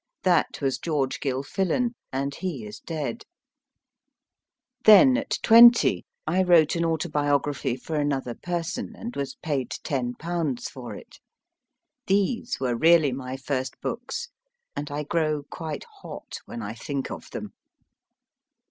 That was George Gilfillan, and he is dead. Then 54 MY FIRST BOOK at twenty I wrote an autobiography for another person, and was paid ten pounds for it. These were really my first books, and I grow quite hot when I think of them.